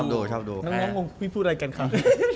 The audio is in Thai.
แม่งงวงพี่พูดอะไรกันครับ